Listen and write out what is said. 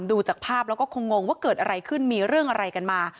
ดูจากภาพแล้วก็คงงว่าเกิดอะไรขึ้นมีเรื่องอะไรกันมา